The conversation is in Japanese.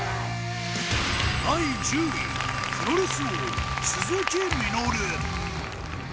第１０位プロレス王鈴木みのる。